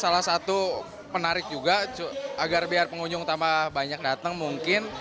salah satu penarik juga agar biar pengunjung tambah banyak datang mungkin